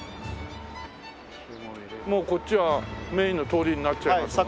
もうこっちはメインの通りになっちゃいますもんね。